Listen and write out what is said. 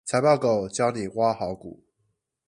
財報狗教你挖好股